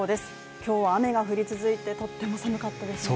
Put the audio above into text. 今日は雨が降り続いてとっても寒かったですね